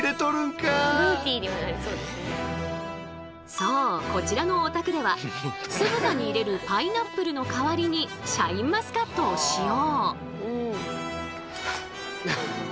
そうこちらのお宅では酢豚に入れるパイナップルの代わりにシャインマスカットを使用。